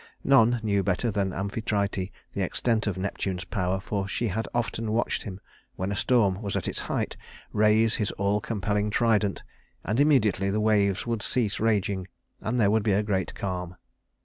None knew better than Amphitrite the extent of Neptune's power, for she had often watched him, when a storm was at its height, raise his all compelling trident, and immediately the waves would cease raging and there would be a great calm.